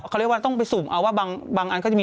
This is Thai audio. เขาไม่กินตูตรงนี้แหละแม่